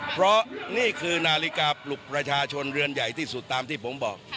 เพราะนี่คือนาฬิกาปลุกประชาชนเรือนใหญ่ที่สุดตามที่ผมบอก